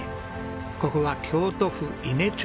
ここは京都府伊根町。